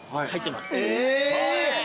え！